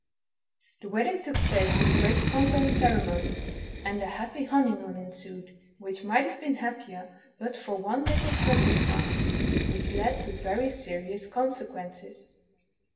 The wedding took place with great pomp and cere mony, and a happy honeymoon ensued, which might have heen happier hut for one little circumstance which led to very serious consequences.